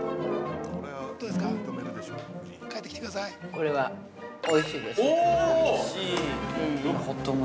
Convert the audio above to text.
これは、おいしいです。